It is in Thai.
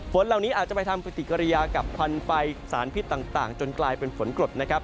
ฝนเหล่านี้อาจจะไปทำปฏิกิริยากับควันไฟสารพิษต่างจนกลายเป็นฝนกรดนะครับ